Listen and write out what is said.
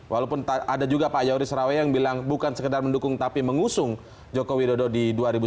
walaupun ada juga pak yoris rawe yang bilang bukan sekedar mendukung tapi mengusung joko widodo di dua ribu sembilan belas